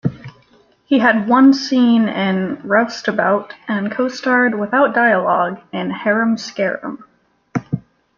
He had one scene in "Roustabout" and co-starred without dialogue in "Harum Scarum".